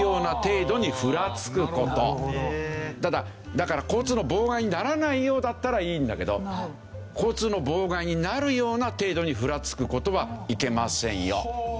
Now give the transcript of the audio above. だから交通の妨害にならないようだったらいいんだけど交通の妨害になるような程度にふらつく事はいけませんよ。